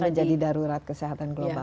menjadi darurat kesehatan global